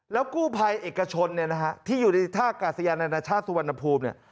แล้วกู้ภัยเอกชนที่อยู่ในท่ากาศยานอนาชาติสุวรรณภูมิ